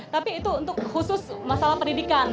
tapi itu untuk khusus masalah pendidikan